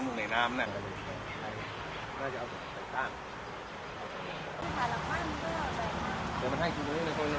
อืมไม่จำเนี้ยรอโต๊ะโต๊ะสิโต๊ะสิหนูในน้ำน่ะ